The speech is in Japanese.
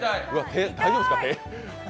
大丈夫ですか？